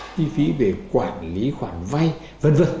chi phí về quản lý khoản vay vân vân